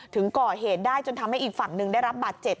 ถึงก่อเหตุได้จนทำให้อีกฝั่งหนึ่งได้รับบาดเจ็บ